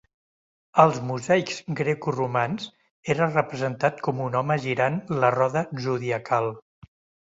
Als mosaics grecoromans era representat com un home girant la roda zodiacal.